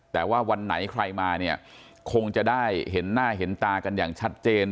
แต่ว่าวันไหนใครมาเนี่ยคงจะได้เห็นหน้าเห็นตากันอย่างชัดเจน